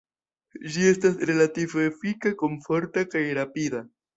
Ĝi estas relative efika, komforta kaj rapida.